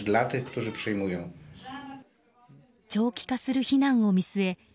長期化する避難を見据え